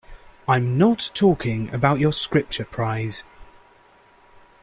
I'm not talking about your Scripture prize.